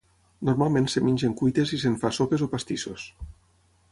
Normalment es mengen cuites i se'n fa sopes o pastissos.